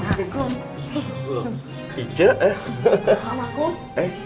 mereka panggil dua yang francong